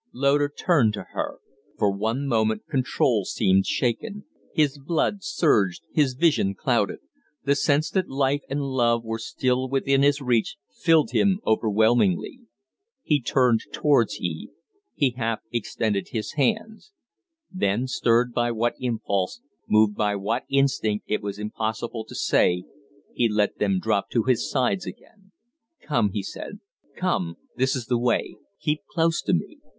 Loder turned to her. Far one moment control seemed shaken; his blood surged, his vision clouded; the sense that life and love were still within his reach filled him overwhelmingly. He turned towards Eve; he half extended his hands. Then, stirred by what impulse, moved by what instinct, it was impossible to say, he let them drop to his sides again. "Come!" he said. "Come! This is the way. Keep close to me.